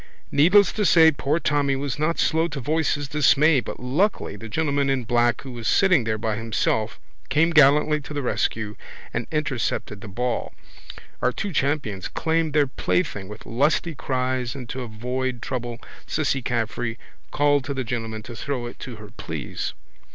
Needless to say poor Tommy was not slow to voice his dismay but luckily the gentleman in black who was sitting there by himself came gallantly to the rescue and intercepted the ball. Our two champions claimed their plaything with lusty cries and to avoid trouble Cissy Caffrey called to the gentleman to throw it to her please.